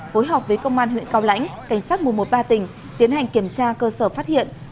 phối hợp với công an huyện cao lãnh cảnh sát mùa một ba tỉnh tiến hành kiểm tra cơ sở phát hiện